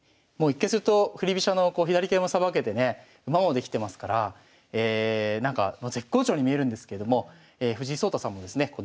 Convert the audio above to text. もう一見すると振り飛車の左桂もさばけてね馬もできてますからなんか絶好調に見えるんですけれども藤井聡太さんもですね